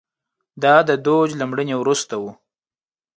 دا د دوج له مړینې وروسته و